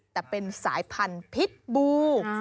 แต่เป็นสายพันธุ์พิษบู